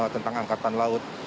tentang angkatan laut